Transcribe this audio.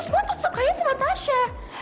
semua tetep sukanya sama tasya